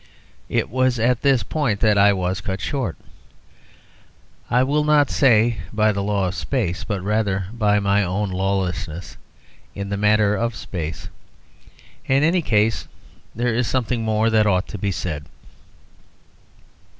It was at this point that I was cut short, I will not say by the law of space, but rather by my own lawlessness in the matter of space. In any case, there is something more that ought to be said.